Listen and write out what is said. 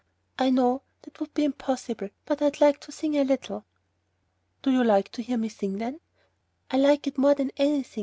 "I know that would be impossible, but I'd like to sing a little." "Do you like to hear me sing, then?" "I like it more than anything.